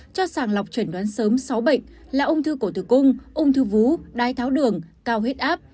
cho sàng lọc chuẩn đoán sớm sáu bệnh là ung thư cổ thừa cung ung thư vú đai tháo đường cao hết áp